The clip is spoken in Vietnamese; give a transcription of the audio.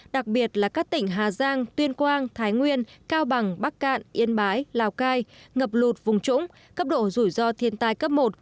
đặc biệt là các tỉnh hà giang tuyên quang thái nguyên cao bằng bắc cạn yên bái lào cai ngập lụt vùng trũng cấp độ rủi ro thiên tai cấp một